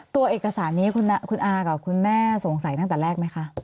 ตัวเอกสารนี้คุณอากับคุณแม่สงสัยตั้งแต่แรกไหมคะ